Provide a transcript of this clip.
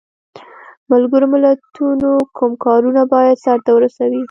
ملګرو ملتونو کوم کارونه باید سرته ورسوي؟